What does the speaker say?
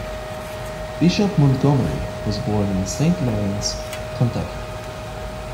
Bishop Montgomery was born in Saint Lawrence, Kentucky.